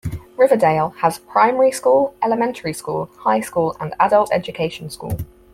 Riverdale has a primary school, elementary school, high school, and adult education school.